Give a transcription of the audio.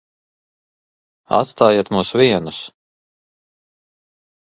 Atstājiet mūs vienus.